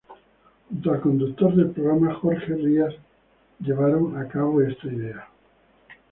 Junto al conductor del programa, Jorge Rial llevaron a cabo esta idea.